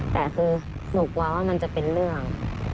แต่คือหนูกลัวว่ามันจะเป็นเรื่อง